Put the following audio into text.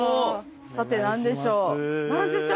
さて何でしょう？